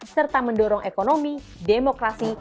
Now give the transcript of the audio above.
serta mendorong ekonomi demokrasi